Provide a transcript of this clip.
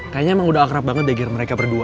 kayaknya emang udah akrab banget deh biar mereka berdua